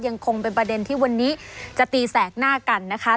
ยังคงเป็นประเด็นที่วันนี้จะตีแสกหน้ากันนะคะ